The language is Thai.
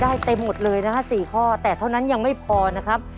เต็มหมดเลยนะฮะ๔ข้อแต่เท่านั้นยังไม่พอนะครับ